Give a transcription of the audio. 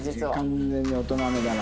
完全に大人めだな。